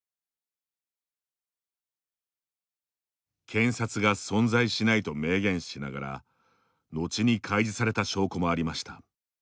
検察が存在しないと明言しながら後に開示された証拠もありました。